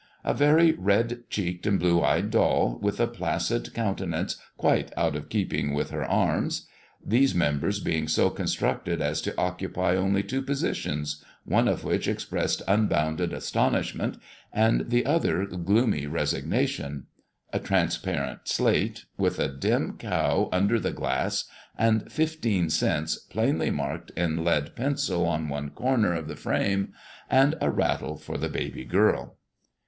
A very red cheeked and blue eyed doll, with a placid countenance quite out of keeping with her arms; these members being so constructed as to occupy only two positions, one of which expressed unbounded astonishment, and the other gloomy resignation; a transparent slate, with a dim cow under the glass, and "fifteen cents," plainly marked in lead pencil on one corner of the frame, and a rattle for the girl baby.